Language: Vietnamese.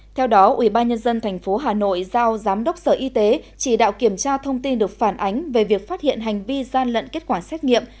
theo đó ubnd tp hà nội giao giám đốc sở y tế chỉ đạo kiểm tra thông tin được phản ánh về việc phát hiện hành vi gian lận kết quả xét nghiệm